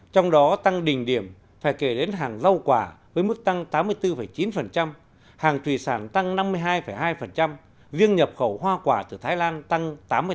trong đó tăng đỉnh điểm phải kể đến hàng rau quả với mức tăng tám mươi bốn chín hàng thủy sản tăng năm mươi hai hai riêng nhập khẩu hoa quả từ thái lan tăng tám mươi chín